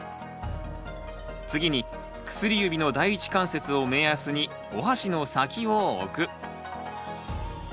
次に薬指の第一関節を目安におはしの先を置く。